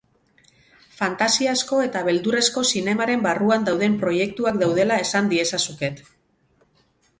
Fantasiazko eta beldurrezko zinemaren barruan dauden proiektuak daudela esan diezazuket.